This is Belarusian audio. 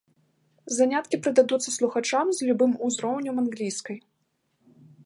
Заняткі прыдадуцца слухачам з любым узроўнем англійскай.